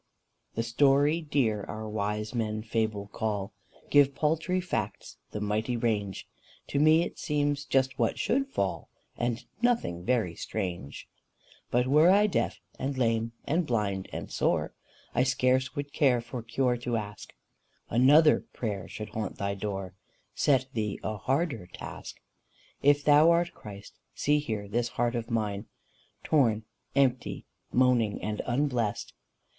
The story dear our wise men fable call, Give paltry facts the mighty range; To me it seems just what should fall, And nothing very strange. But were I deaf and lame and blind and sore, I scarce would care for cure to ask; Another prayer should haunt thy door Set thee a harder task. If thou art Christ, see here this heart of mine, Torn, empty, moaning, and unblest!